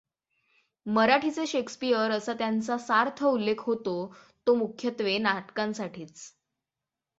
मराठीचे शेक्सपियर असा त्यांचा सार्थ उल्लेख होतो तो मुख्यत्वे नाटकांसाठीच.